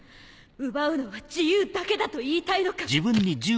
奪うのは自由だけだと言いたいのか？